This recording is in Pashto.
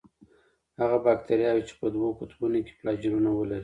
هغه باکتریاوې چې په دوو قطبونو کې فلاجیلونه ولري.